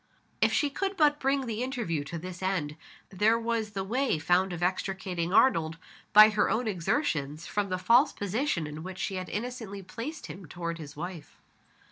If she could but bring the interview to this end there was the way found of extricating Arnold, by her own exertions, from the false position in which she had innocently placed him toward his wife!